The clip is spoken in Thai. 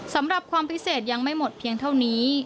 สำหรับความพิเศษยังไม่หมดเพียงเท่านี้